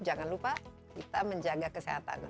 jangan lupa kita menjaga kesehatan